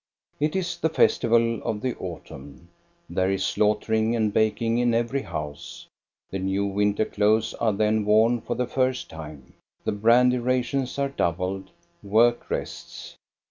It is the festival of the autumn. There is slaughtering and baking in every house ; the new winter clothes are then worn for the first time; the brandy rations are doubled; work rests.